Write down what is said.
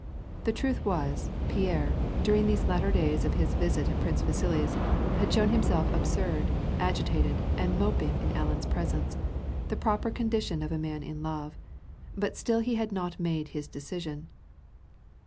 The truth was, l*ierre, during these latter days of his visit at Prince Vasili 's, had shown himself absurd, agitated, and moping in Ellen's presence, — the proper Condition of a maii in love, — but still he had not made his dec laration.